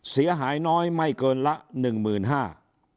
เสียหายน้อยไม่เกินละ๑๕๐๐๐บาท